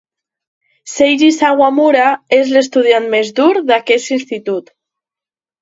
Seiji Sawamura és l'estudiant més dur d'aquest institut.